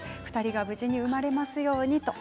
無事に生まれますように。